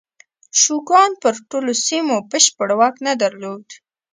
شوګان پر ټولو سیمو بشپړ واک نه درلود.